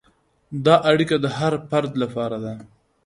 دا اړیکه د هر فرد لپاره ده.